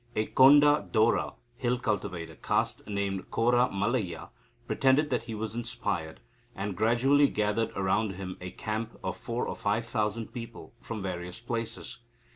A Konda Dora (hill cultivator caste) named Korra Mallayya pretended that he was inspired, and gradually gathered round him a camp of four or five thousand people from various places.